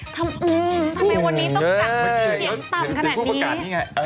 ทำไมวันนี้ต้องกลับมาเสียงต่ำขนาดนี้